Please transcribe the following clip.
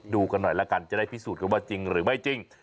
ดูกันหน่อยแล้วกันจะได้พิสูจน์กันว่าจริงหรือไม่จริง